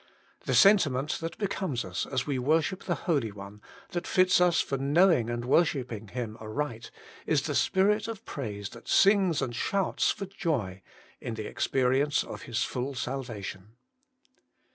The sentiment that becomes us as we worship the Holy One, that fits us for knowing and worshipping Him aright, is the spirit of praise that sings and shouts for joy in the experience of His full salvation.